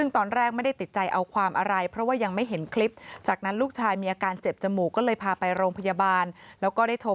ตอนแรกไม่ได้ติดใจเอาความอะไรเพราะว่ายังไม่เห็นคลิปจากนั้นลูกชายมีอาการเจ็บจมูกก็เลยพาไปโรงพยาบาลแล้วก็ได้โทร